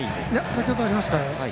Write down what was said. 先ほどありましたよ。